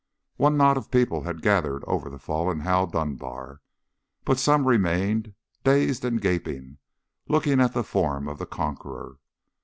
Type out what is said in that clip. One knot of people had gathered over the fallen Hal Dunbar, but some remained, dazed and gaping, looking at the form of the conqueror.